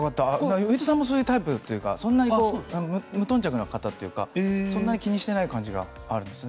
上戸さんもそういうタイプというか無頓着な方というかそんなに気にしていない感じがあるんですね。